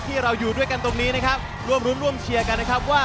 เราอยู่ด้วยกันตรงนี้นะครับร่วมรุ้นร่วมเชียร์กันนะครับว่า